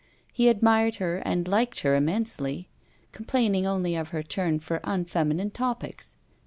He admired her and liked her immensely; complaining only of her turn for unfeminine topics.